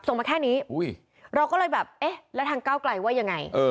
ส่งมาแค่นี้เราก็เลยแบบแล้วทางเก้าไกลว่ายังไง